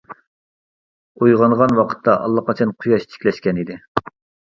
ئويغانغان ۋاقىتتا ئاللىقاچان قۇياش تىكلەشكەن ئىدى.